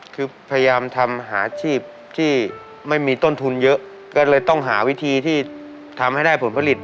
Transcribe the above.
คือพยายามทำหาอาชีพที่ไม่มีต้นทุนเยอะก็เลยต้องหาวิธีที่ทำให้ได้ผลผลิต